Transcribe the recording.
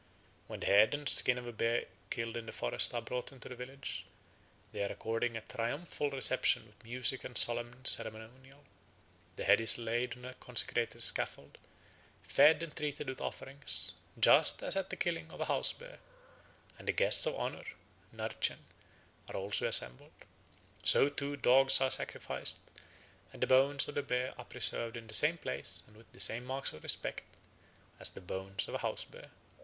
When the head and skin of a bear killed in the forest are brought into the village, they are accorded a triumphal reception with music and solemn ceremonial. The head is laid on a consecrated scaffold, fed, and treated with offerings, just as at the killing of a house bear; and the guests of honour (Narch en) are also assembled. So, too, dogs are sacrificed, and the bones of the bear are preserved in the same place and with the same marks of respect as the bones of a house bear.